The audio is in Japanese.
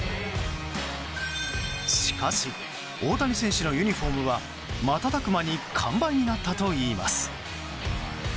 しかし大谷選手のユニホームは瞬く間に完売になったといいます。